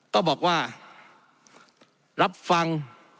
ก็บอกว่ารับฟัง